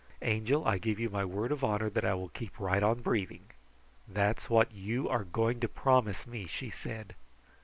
"'Angel, I give you my word of honor that I will keep right on breathing.' That's what you are going to promise me," she said.